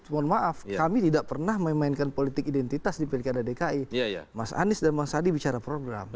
mohon maaf kami tidak pernah memainkan politik identitas di pilkada dki mas anies dan mas hadi bicara program